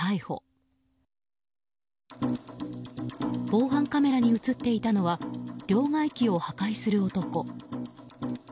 防犯カメラに映っていたのは両替機を破壊する男。